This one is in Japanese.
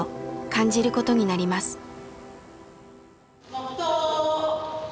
黙とう。